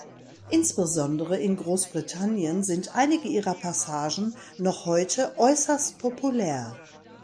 Insbesondere in Großbritannien sind einige ihrer Passagen noch heute äußerst populär.